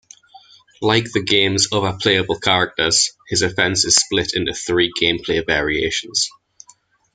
Like the game's other playable characters, his offense is split into three gameplay variations.